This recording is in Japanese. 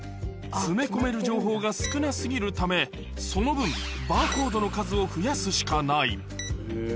詰め込める情報が少なすぎるため、その分、バーコードの数を増やすしかない。